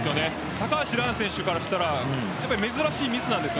高橋藍選手からしたら珍しいミスなんです。